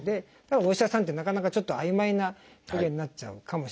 お医者さんってなかなかちょっと曖昧な表現になっちゃうかもしれない。